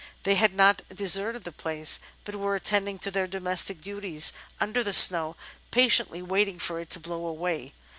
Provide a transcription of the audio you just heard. They had not deserted the place; but were attending to their domestic duties under the snow — ^patiently waiting for it to blow away.